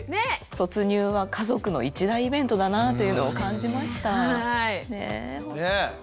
卒乳は家族の一大イベントだなぁというのを感じました。